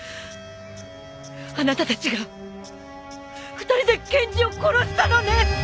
あなたたちが２人で健治を殺したのね！？